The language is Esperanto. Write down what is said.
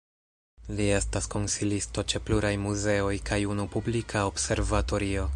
Li estas konsilisto ĉe pluraj muzeoj kaj unu publika observatorio.